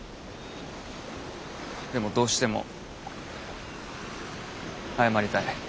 でもどうしても謝りたい。